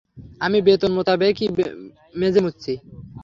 আমি বেতন মোতাবেকই মেঝে মুছি।